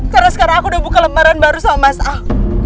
karena sekarang aku udah buka lembaran baru sama mas ah